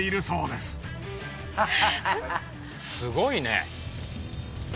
すごいね。